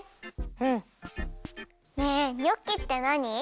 うん。ねえニョッキってなに？